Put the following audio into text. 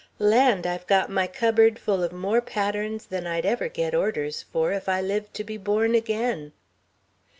Land, I've got my cupboard full of more patterns than I'd ever get orders for if I lived to be born again."